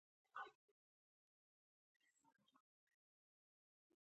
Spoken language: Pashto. د پېښور تړون پر اساس موقت حکومتونه.